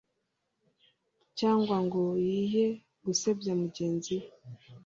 cyangwa ngo yihe gusebya mugenzi we